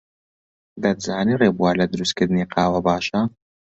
دەتزانی ڕێبوار لە دروستکردنی قاوە باشە؟